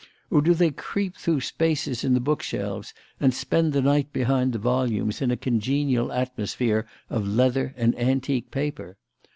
Or do they creep through spaces in the book shelves and spend the night behind the volumes in a congenial atmosphere of leather and antique paper?